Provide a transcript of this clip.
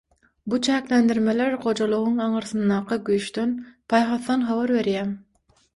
Bu çäklendirmeler gojalygyň aňyrsyndaky güýçden, paýhasdan habar berýär.